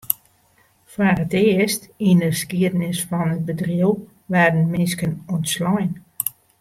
Foar it earst yn 'e skiednis fan it bedriuw waarden minsken ûntslein.